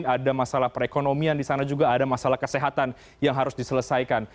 ada masalah perekonomian di sana juga ada masalah kesehatan yang harus diselesaikan